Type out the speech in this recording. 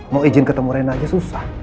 mau izin ketemu renah aja susah